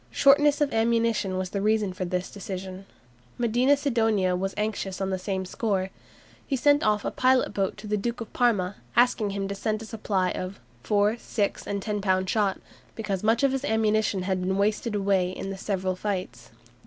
Shortness of ammunition was the reason for this decision. Medina Sidonia was anxious on the same score. He sent off a pilot boat to the Duke of Parma, asking him to send him a supply of "four, six, and ten pound shot," "because much of his ammunition had been wasted in the several fights."